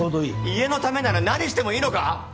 家のためなら何してもいいのか？